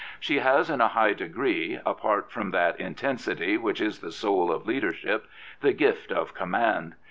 She has in a high degree, apart from that intensity which is the soul of leadership, the gift of command.